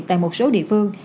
tại một số địa phương